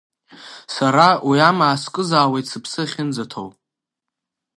Сара уи амаа скызаауеит сыԥсы ахьынӡаҭоу!